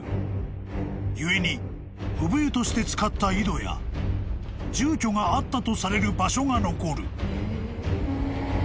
［故にうぶ湯として使った井戸や住居があったとされる場所が残る］